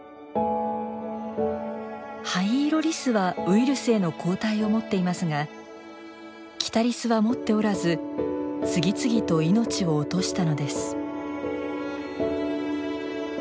ハイイロリスはウイルスへの抗体を持っていますがキタリスは持っておらず次々と命を落としたのです。